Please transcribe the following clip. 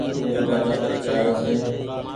ريل گآڏي ڪٺ جآوي ڇي۔